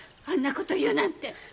あんなこと言うなんて。